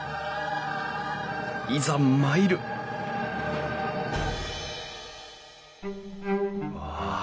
いざ参るうわ！